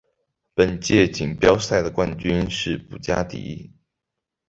本届锦标赛的冠军是布加迪。